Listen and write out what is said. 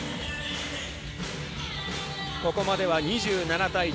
ここまでは２７対１７。